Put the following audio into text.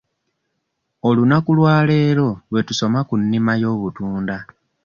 Olunaku lwaleero lwe tusoma ku nnima y'obutunda.